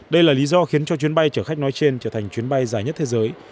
đây là lý do khiến cho chuyến bay chở khách nói trên trở thành chuyến bay dài nhất thế giới